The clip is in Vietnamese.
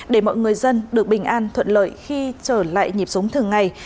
để mọi người dân được bình an thuận lợi khi trở lại nhịp sống thường ngày